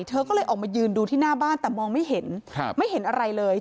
เธอก็เลยออกมายืนดูที่หน้าบ้านแต่มองไม่เห็นไม่เห็นอะไรเลย